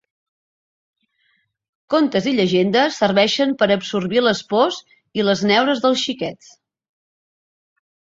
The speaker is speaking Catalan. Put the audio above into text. Contes i llegendes serveixen per a absorbir les pors i les neures dels xiquets.